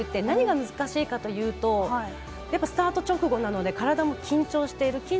何が難しいかというとやっぱりスタート直後なので体も緊張している。